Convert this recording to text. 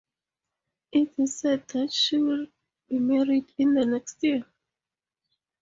It is said that she will be married in the next year.